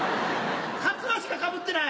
カツラしかかぶってない。